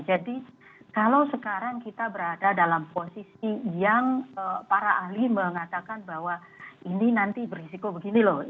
jadi kalau sekarang kita berada dalam posisi yang para ahli mengatakan bahwa ini nanti berisiko begini loh